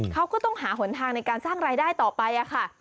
เขาก็ต้องหาหนทางในการสร้างรายได้ต่อไปค่ะ